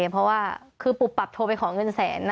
เพราะว่าคือปุบปับโทรไปขอเงินแสน